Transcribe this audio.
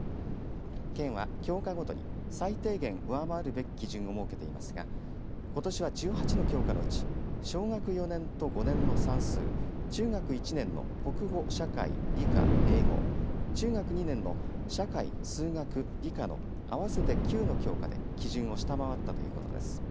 県は教科ごとに最低限上回るべき基準を設けていますがことしは１８の教科のうち小学４年と５年の算数中学１年の国語、社会理科、英語中学２年の社会、数学、理科の合わせて９の教科で基準を下回ったということです。